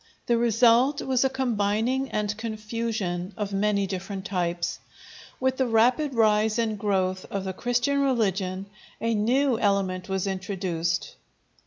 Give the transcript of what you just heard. The result was a combining and confusion of many different types. With the rapid rise and growth of the Christian religion, a new element was introduced.